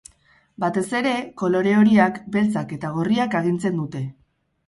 Batez ere, kolore horiak, beltzak eta gorriak agintzen dute.